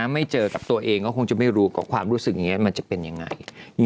ไม่เจอกับตัวเองก็คงจะไม่รู้ว่าความรู้สึกอย่างนี้มันจะเป็นยังไง